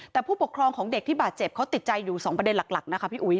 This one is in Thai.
แต่ผู้ปกครองของเด็กที่บาดเจ็บเขาติดใจอยู่๒ประเด็นหลักนะคะพี่อุ๋ย